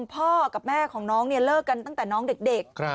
พ่อกับแม่ของน้องเนี่ยเลิกกันตั้งแต่น้องเด็ก